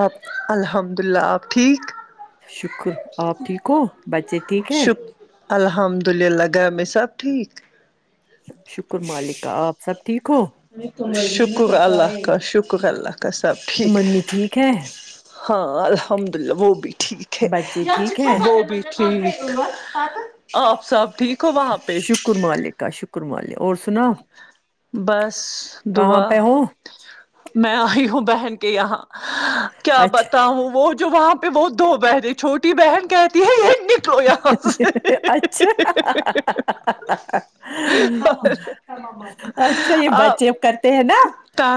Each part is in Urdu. آپ الحمد للہ آپ ٹھیک شک الحمد للہ گھر میں سب ٹھیک شکر اللہ کا شکر شکر اللہ کا سب ٹھیک ہاں الحمدللہ الحمد للہ وہ بھی ٹھیک ہے وہ بھی ٹھیک آپ سب ٹھیک ہو وہاں پہ بس دعا میں آ ئی ہوں بہن کے یہاں کیا بتاؤں وہ جو وہاں پہ وہ دو بہنیں چھوٹی بہن کہتی ہے یہی نکلو یہاں سے اچھا اچھا یہ بچے کرتے ہیں نا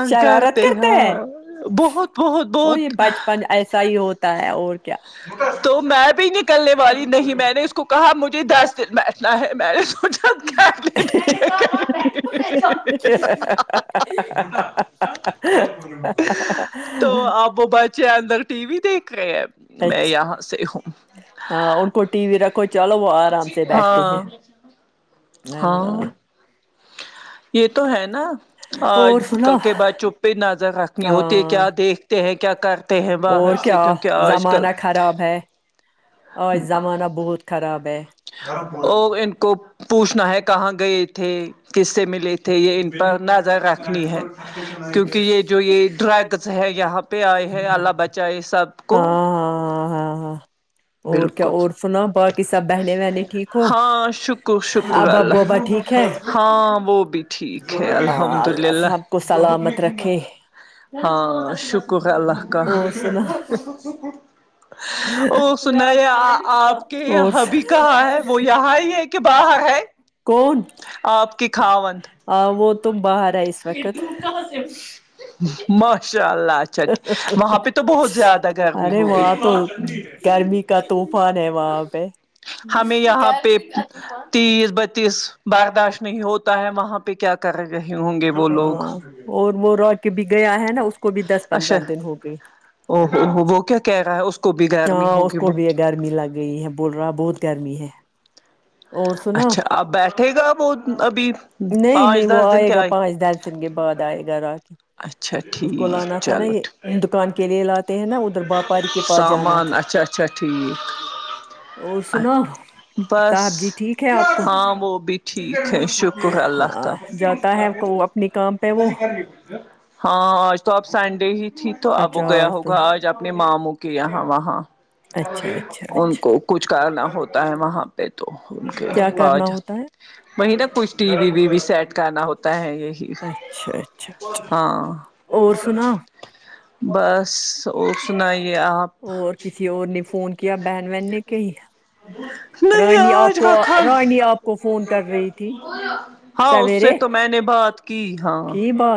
شرارت کرتے ہیں بہت بہت بہت تو میں بھی نہیں کرنے والی نہیں میں نے اس کو کہا مجھے دس دن بیٹھنا ہے میں نے سوچا [unintelligible] [inaudible] اب وہ بچے اندر ٹی وی دیکھ رہے ہیں میں یہاں سے ہوں ہاں ان کو ٹی وی رکھو چلو وہ آرام سے بیٹھتی ہیں ہ یہ تو ہے نا آج کل کے بچوں پے نظر رکھنی ہوتی ہے کیا دیکھ ہیں کیا کرتے ہیں باہر سے کیونکہ آج کل ب خراب ہے اور ان کو پوچھنا ہے کہاں گئ تھے کس سے ملے تھے تھے یہ ان پر نظر رکھنی ہے کیونکہ یہ جو یہ ڈرگس ہے یہاں پہ آئے ہے اللہ بچائے سب کو ہاں ہاں بالکل ہاں شکر شکر اللہ کا ہاں وہ بھی ٹھیک ہے الحمد للہ ہاں شکر ہے اللہ کا [inaudible] کون آ پ کے خاوند آ وہ تو باہر ہے اس وقت ارے وہاں تو گرمی کا طوفان ہے وہاں پہ ہمیں یہاں پہ تیس بتیس برداشت نہیں ہوتا ہے وہاں پہ کیا کر رہے ہوں گے وہ لوگ وہ رو کے بھی گیا ہے نا اس کو بھی دس پندرہ دن ہو گئے اوو ہو وہ کیا کہہ رہا ہے اس ہاں اس کو بھی گرمی لگ گئی ہے بول رہا بہت گرمی ہے اچھا اب بیٹھے گا وہ ابھی پانچ دس دن کیا آئے پانچ دس دن کے بعد آئے گا نہ گھر اچھا ٹھیک چلوٹھیک مان اچھا اچھا ٹھیک بس ہاں وہ بھی ٹھیک ہے شکر اللہ کا ہاں آج تو آپ سنڈے ہی تھی تو اب وہ گیا ہوگا آج آپ اپنے ماموں کے یہاں وہاں ان کو کچھ کرنا ہوتا ہوتا ہے وہاں پہ تو ج وہیں نا کچھ ٹی وی و وی سیٹ کرنا ہوتا ہے یہی ہاں اور سناؤ اور کسی اور نے فون کیا بہن وہن نے کہیں نہیں آج کا کل ہاں اس سے تو میں نے بات کی ہاں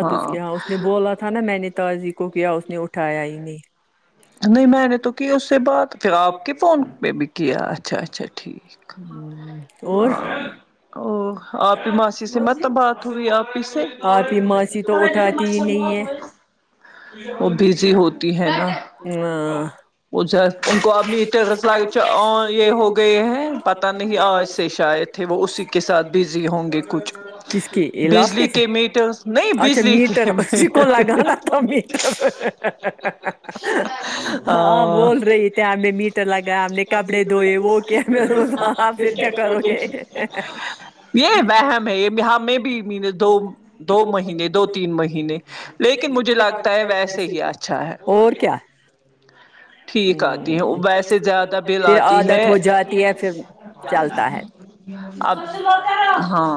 ہاں بولا تھا نا میں نے تازی کو کیا اس نے اٹھایا ہی نہیں نہیں میں نے تو کی اس سے بات پھر آپ کے فون پہ بھی کیا اچھا اچھا ٹھیک ہ اور اوہ آپ ہی ماسی سے میں تو بات ہوئی آپ ہی سے وہ بیزی ہوتی ہے نا وہ ان کو [unintelligible] ہیں پتہ نہیں آج سے شاید تھے وہ اسی کے ساتھ بزی ہوں گے کچھ جس کے علاف کیسے اچھا میٹر اسی کو لگانا تھا میٹر ہاں بول رہی تھے ہم نے میٹر لگا ہم نے کپڑے دھوئے وہ [inaudible] یہ وہم ہے یہ ہمیں بھی مین دو دو مہینے دو تین مہینے لیکن مجھے لگتا ہے ویسے ہی اچھا ہے اور کیا ٹھیک آتی ہے ویسے زیادہ بل آتی ہے آپ ہاں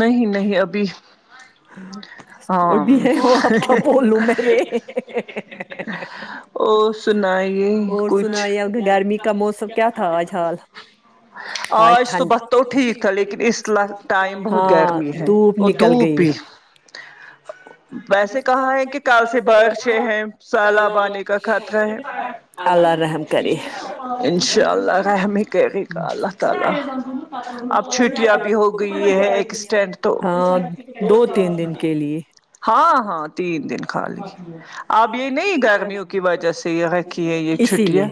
نہیں نہیں ابھی اور بھی ہے وہ آپ کیا بولوں میرے [unintelligible] اور سنا ئیے کچھ آج صبح تو ٹھیک تھا لیکن اس ٹائم بہت گرمی ہے اور دھوپ بھی ویسے کہاں ہے کہ کل سے بارشیں ہیں سیلاب آنے کا خطرہ ہے انشاء اللہ رحم ہی کرے گا اللہ تعالی اب چھٹیاں بھی ہو گئی ہے ایک اسٹینڈ تو ہاں ہاں تین دن خالی اب یہ نہیں گرمیوں کی وجہ سے یہ رکھی ہے یہ چھٹیاں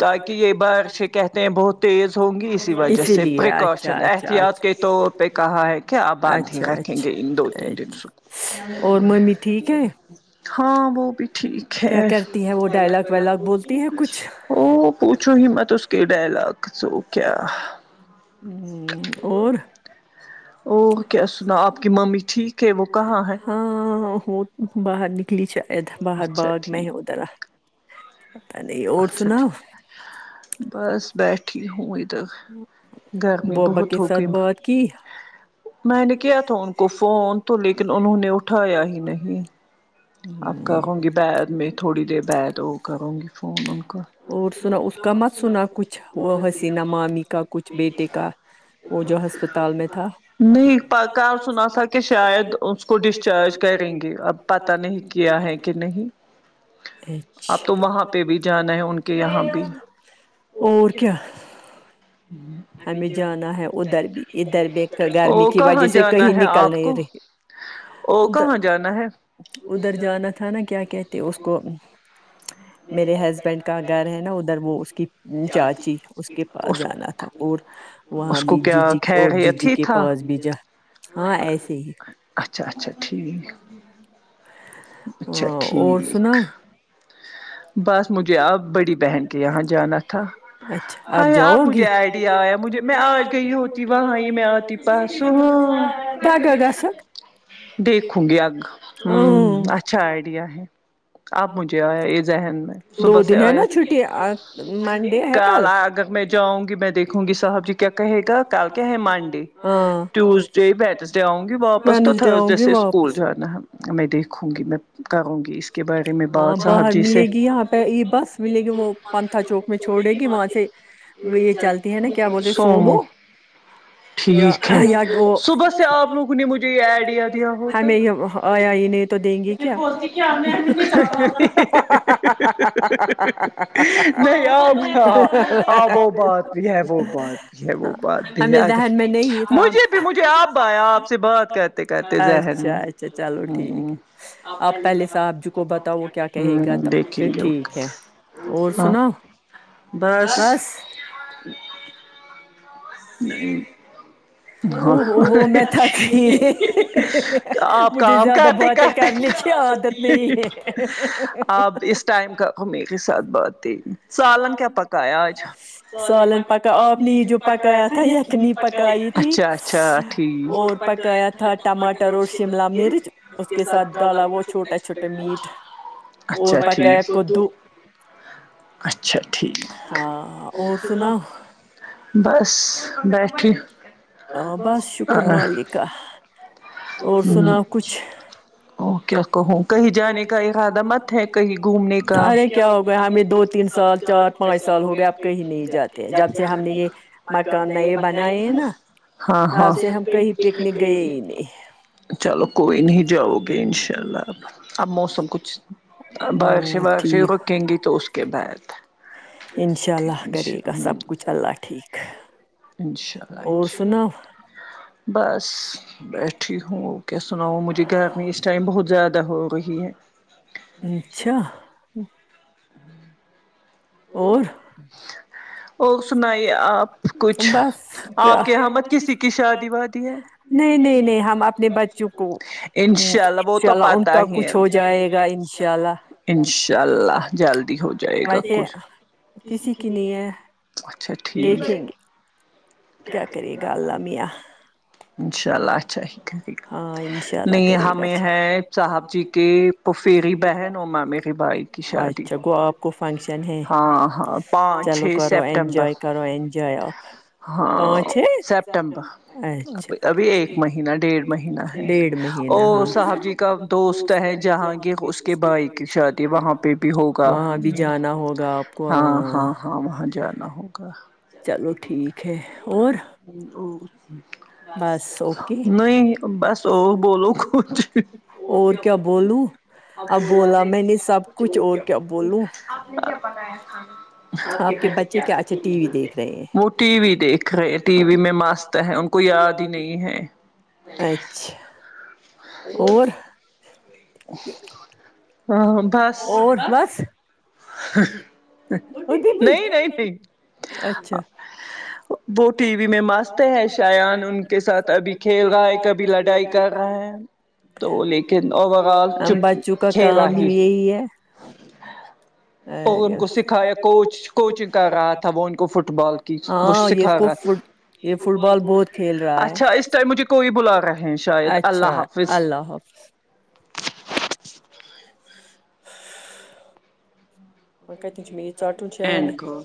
تاکہ یہ بارش کہتے ہیں بہت تیز ہوں گی اسی وجہ سے پریکاشن احتیاط کے طور پر پہ کہا ہے کہ آپ باندھے رکھیں گے ان دو تین دن سے ہاں وہ بھی ٹھیک پہلے ہوتی ہیں کچھ او پوچھوں گی میں تو اس کے ڈائلاگ تو کیا ہوں ہوں اور اور کیا سناو آپ کی ممی ٹھیک ہاں ہو باہر نک نکلی شاید باہر باغ میں ادھر پتا نہیں اور سناؤ بس بیٹھی ہوں تو گرمی بہت ہوکم میں نے کیا تھا ان کو فون تو لیکن انہوں نے اٹھایا ہی نہیں اب کروں گی بعد میں تھوڑی دیر بعد وہ کروں گی فون ان کو اور سنا اس کا مت سنا کچھ وہ حسینا مامی کا کچھ بیٹے کا نہیں پکا آپ سنا سکے شاید اس کو ڈسچارج کریں گے اب پتہ نہیں کیا ہے کہ نہیں اچھا اور کیا او کہاں جانا ہے آپ کو او کہاں جانا ہے ادھر جانا تھا نا کیا کہتے اس کو میرے ہسبینڈ کا گھر ہے نا ادھر وہ اس کی چاچی اس کے پاس جانا تھا اور وہاں بھی ججی اور ججی کے پاس بھی جاہ ہاں ایسے ہی اچھا اچھا ٹھیک آ اور سناؤ بس مجھے اب بڑی بہن کے یہاں جانا تھا ہاے اب مجھے آئیڈیا آیا مجھے میں آج گئی ہوتی وہاں یہ میں آتی پرسوں اں دیکھوں گی اگ ہوں اچھا آئیڈیا ہے اب مجھے آیا یہ ذہن میں صبح سے آیا کل آیا اگر میں جاؤں گی میں دیکھوں گی صاحب جی کیا کہے گا کل کیا ہے منڈے ٹیوز جو فریڈے آؤں گی واپس تو تھرزڈے سے اسکول جانا ہے میں دیکھوں گی میں ہاں باہر ملے گی یہاں پہ یہ بس ملے گی وہ کام تھا چوک میں چھوڑے گی وہاں سے یہ چلتی ہے نا کیا بولتے سومو ٹھیک ہے صبح سے آپ لوگون نے مجھے یہ ائیڈیا دیا ہوتا یہ بولتی کیا اپنے [unintelligible] نہیں اب کہان اب وہ بات بھی ہے وہ بات ہے وہ بات بھی اگر مجھے بھی مجھے اب آیا آپ سے بات کرتے کرتے ذہن میں اچھا چلو ٹھیک ہے آپ پہلے صاحب جی کو بتاؤ وہ کیا کہے گا تب پھر ٹھیک ہے اور سناو بس صحیح کیا آپ کام کرتے آپ اس ٹائم کرو میرے ساتھ باتین سالن کیا پکایا آج ٹھیک اچھا ٹھیک اچھا ٹھیک بس بیٹھی آ ہ کا ہ اور سناؤ کچھ ارے کیا ہو گیا ہمیں دو تین سال چار پانچ سال ہو گئے اب کہیں نہیں جاتے جب سے ہم نے یہ مکان نئے بنائے ہیں نا تب سے ہم کہیں پکنک گئے ہی نہیں چلو کوئی نہیں جاؤ گے انشاء اللہ اب اب موسم کچھ بارشیں و ارشیں رکیں گی تو اس کے بعد انشاء اللہ کرے گا سب کچھ اللہ ٹھیک انشاء اللہ انشاء اللہ بس بیٹھی ہوں کیا سناؤ مجھے گرمی اس ٹائم بہت زیادہ ہو رہی ہے اچھا اور [unintelligible] اور سنائیے آپ کچھ آپ کے یہاں مت کسی کی شادی وادی ہے انشاء اللہ وہ تو پتہ ہی ہے انشاء اللہ جلدی ہو جائے گا کچھ کسی کی نیں ہے اچھا ٹھیک کیا کرے گا الله میاں انشاء اللہ اچھا ھیک ہے نہیں ہمیں ہے چاجی کے پھپیری بہن اور مامرے بھائی کی شادی ہے ہاں ہاں پانچ چھ سپٹمبر کرو اینجوائے آپ ہاں سپٹمبر ابھی ایک مہینہ ڈیڑھ مہینہ ہے اور صاحب جی کا دوست ہے جہانگیر اس کے بھائی کی شادی تے وہاں پہ بھی ہوگا ہاں ہاں ہاں وہاں جانا ہوگا چلو ٹھیک ہے اور اور نہیں بس اور بولو کچھ اور کیا بولوں اب بولا بھی نی کچھ اور کیا آپنے بھی اب بنایا ہوگا نہ وہ ٹی وی دیکھ رہے ہیں ٹی وی میں مست ہے وں اچھا اور ہاں بس نہیں نہیں نہیں وہ ٹی وی میں مست ہیں شایان ان کے ساتھ ابھی کھیل رہا ہے کبھی لڑائی کر رہا ہے تو لیکن او آل چپ کھیلا ہی وہ ان کو سکھایا کوچ کوچنگ کر رہا تھا وہ ان کو فٹ بال کی وہ سکھا رہا اچھا اس ٹائم مجھے کوئی بلا رہے ہیں شاید اللہ حافظ [unintelligible]